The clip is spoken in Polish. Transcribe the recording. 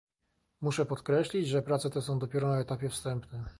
Muszę podkreślić, że prace te są dopiero na etapie wstępnym